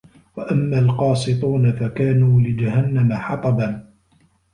وَأَمَّا القاسِطونَ فَكانوا لِجَهَنَّمَ حَطَبًا